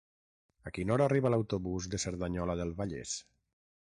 A quina hora arriba l'autobús de Cerdanyola del Vallès?